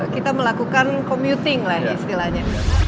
kita melakukan commuting lah istilahnya